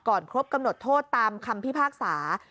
ครบกำหนดโทษตามคำพิพากษา